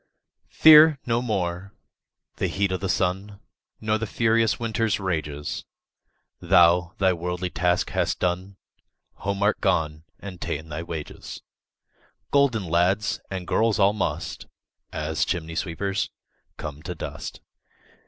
2. Fear no more the heat o' the sun, Nor the furious winter's rages; Thou thy worldly task hast done, Home art gone, and ta'en thy wages: Golden lads and girls all must, As chimney sweepers, come to dust.